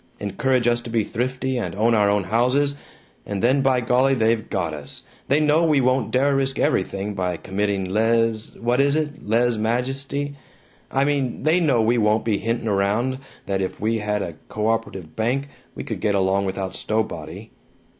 Encourage us to be thrifty and own our own houses, and then, by golly, they've got us; they know we won't dare risk everything by committing lez what is it? lez majesty? I mean they know we won't be hinting around that if we had a co operative bank, we could get along without Stowbody.